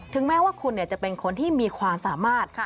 แม้ว่าคุณจะเป็นคนที่มีความสามารถ